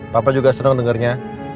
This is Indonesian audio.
papa juga seneng dengernya